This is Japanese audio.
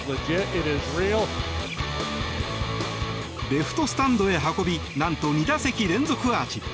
レフトスタンドへ運び何と２打席連続アーチ。